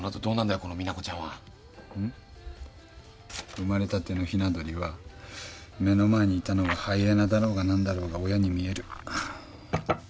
生まれたてのヒナ鳥は目の前にいたのがハイエナだろうが何だろうが親に見える。